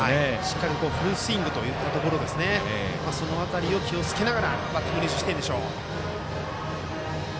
しっかりフルスイングというところその辺りを気をつけながらバッティング練習してるんでしょう。